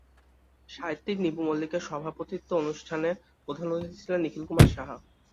সাহিত্যিক নিপু মল্লিকের সভাপতিত্বে অনুষ্ঠানে প্রধান অতিথি ছিলেন নিখিল কুমার সাহা।